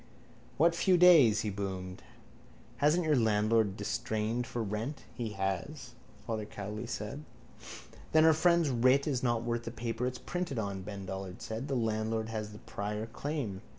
—What few days? he boomed. Hasn't your landlord distrained for rent? —He has, Father Cowley said. —Then our friend's writ is not worth the paper it's printed on, Ben Dollard said. The landlord has the prior claim.